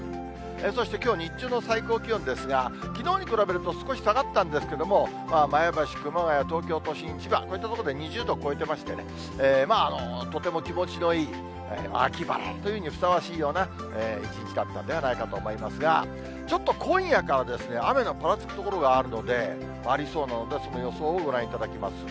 そしてきょう日中の最高気温ですが、きのうに比べると、少し下がったんですけども、前橋、熊谷、東京都心、千葉、こういった所で２０度を超えてましてね、とても気持ちのいい秋晴れというにふさわしいような一日だったんではないかと思いますが、ちょっと今夜から、雨がぱらつく所があるので、ありそうなので、その予想をご覧いただきます。